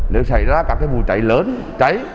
nếu xảy ra các vụ cháy lớn cháy